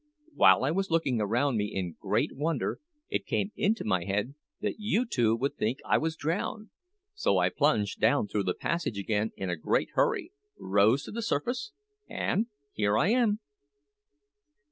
While I was looking around me in great wonder, it came into my head that you two would think I was drowned; so I plunged down through the passage again in a great hurry, rose to the surface, and here I am!"